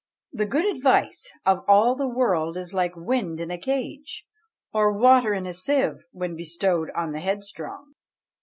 "The good advice of all the world is like wind in a cage, Or water in a sieve, when bestowed on the headstrong."